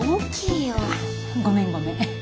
ごめんごめん。